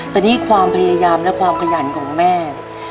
แต่นี่ความพยายามและความขยันของแม่